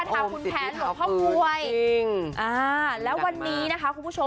ขนาดคุณแท้นหรือพ่อควยแล้ววันนี้นะคะคุณผู้ชม